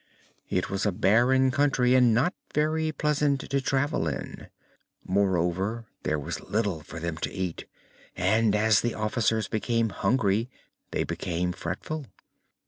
It was a barren country and not very pleasant to travel in. Moreover, there was little for them to eat, and as the officers became hungry they became fretful.